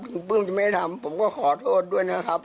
คือปลื้มจะไม่ได้ทำผมก็ขอโทษด้วยนะครับ